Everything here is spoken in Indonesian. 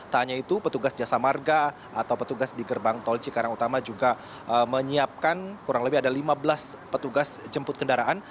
tak hanya itu petugas jasa marga atau petugas di gerbang tol cikarang utama juga menyiapkan kurang lebih ada lima belas petugas jemput kendaraan